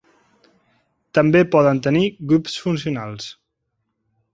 També poden tenir grups funcionals.